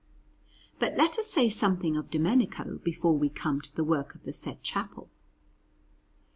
But let us say something of Domenico, before we come to the work of the said chapel.